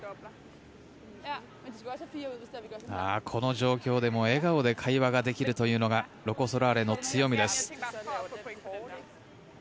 この状況でも笑顔で会話できるというのがロコ・ソラーレの強みです。